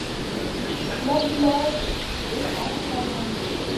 L'habillage est en carbone.